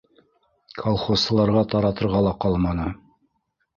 Колхозсыларға таратырға ла ҡалманы.